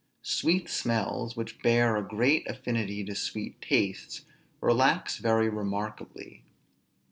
Sweet smells, which bear a great affinity to sweet tastes, relax very remarkably.